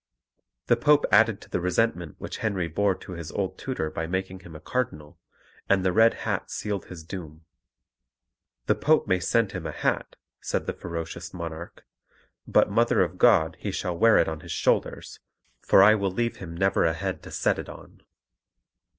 The Pope added to the resentment which Henry bore to his old tutor by making him a Cardinal; and the Red Hat sealed his doom. "The Pope may send him a hat," said the ferocious monarch; "but, Mother of God, he shall wear it on his shoulders, for I will leave him never a head to set it on."